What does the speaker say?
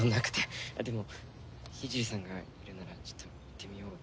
でも聖さんがいるならちょっと行ってみようかなとか。